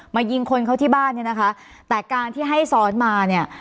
ยิงคนเขาที่บ้านเนี่ยนะคะแต่การที่ให้ซ้อนมาเนี่ย